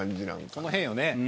その辺よね。